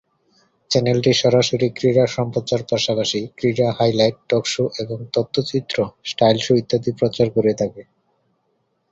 চ্যানেলটি সরাসরি ক্রীড়া সম্প্রচার পাশাপাশি, ক্রীড়া হাইলাইট, টক শো এবং তথ্যচিত্র স্টাইল শো ইত্যাদি প্রচার করে থাকে।